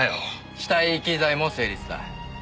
死体遺棄罪も成立だ。